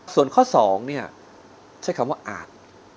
ส่วนข้อสองใช้คำว่าอาจ